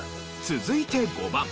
続いて５番。